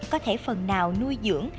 có thể phần nào nuôi dưỡng